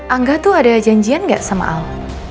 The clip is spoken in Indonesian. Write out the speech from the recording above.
angga tuh ada janjian gak sama al